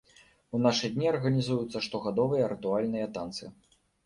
У нашы дні арганізуюцца штогадовыя рытуальныя танцы.